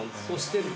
そして。